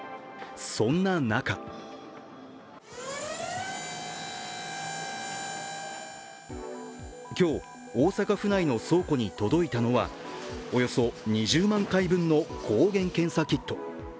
そんな中今日、大阪府内の倉庫に届いたのはおよそ２０万回分の抗原検査キット。